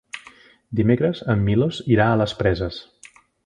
Dimecres en Milos irà a les Preses.